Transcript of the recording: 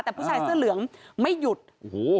แต่ผู้ชายเสื้อเหลืองไม่หยุดโอ้โห